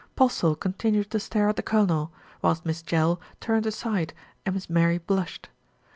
Postle continued to stare at the Colonel, whilst Miss Jell turned aside and Miss Mary blushed.